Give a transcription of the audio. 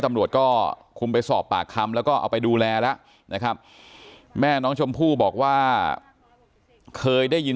ตำรวจก็คุมไปสอบปากคำแล้วก็เอาไปดูแลแล้วนะครับแม่น้องชมพู่บอกว่าเคยได้ยิน